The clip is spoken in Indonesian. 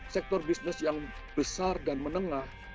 sektor bisnis yang besar dan menengah